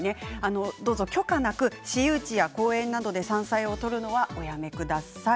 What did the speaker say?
どうぞ許可なく、私有地や公園などで山菜を採るのはおやめください。